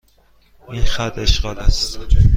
این خط اشغال است.